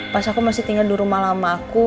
pas aku masih tinggal di rumah lama aku